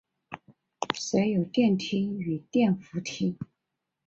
设有电梯与电扶梯。